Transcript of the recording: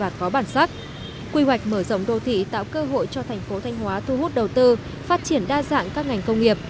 và có bản sắc quy hoạch mở rộng đô thị tạo cơ hội cho thành phố thanh hóa thu hút đầu tư phát triển đa dạng các ngành công nghiệp